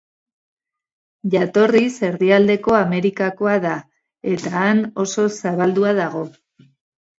Jatorriz Erdialdeko Amerikakoa da, eta han oso zabaldua dago.